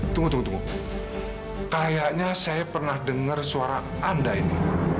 tunggu tunggu kayaknya saya pernah dengar suara anda ini